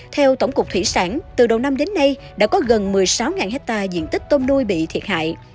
theo tổng cục thủy sản từ đầu năm đến nay đã có gần một mươi sáu hectare diện tích tôm nuôi bị thiệt hại